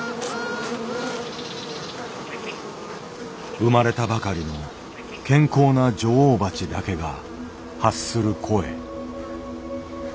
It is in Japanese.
生まれたばかりの健康な女王蜂だけが発する声。